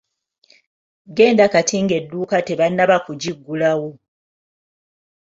Genda kati ng'edduuka tebannaba kugiggulawo.